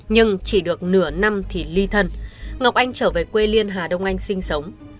nhưng chỉ được nửa năm thì ly thân ngọc anh trở về quê liên hà đông anh sinh sống